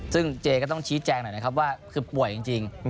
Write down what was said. ซึ่งเจก็ต้องชี้แจงหน่อยนะครับว่าคือป่วยจริง